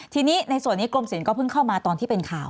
ทีนี้ในส่วนนี้กรมศิลปก็เพิ่งเข้ามาตอนที่เป็นข่าว